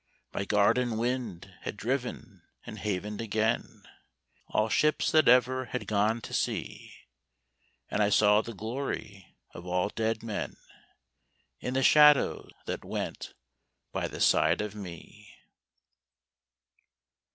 My garden wind had driven and havened again All ships that ever had gone to sea, And I saw the glory of all dead men In the shadow that went by the side of me.